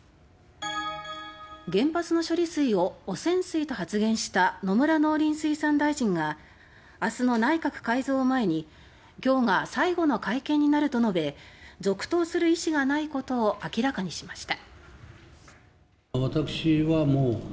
原発の処理水を「汚染水」と発言した野村農林水産大臣が明日の内閣改造を前に今日が最後の会見になると述べ続投する意思がないことを明らかにしました。